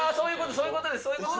そういうことです。